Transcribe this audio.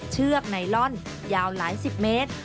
เชือกไนลอนยาวหลายสิบเมตร